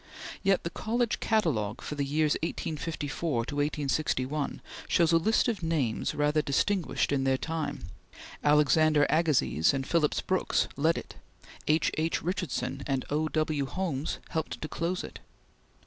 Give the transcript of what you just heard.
Yet the College Catalogue for the years 1854 to 1861 shows a list of names rather distinguished in their time. Alexander Agassiz and Phillips Brooks led it; H. H. Richardson and O. W. Holmes helped to close it.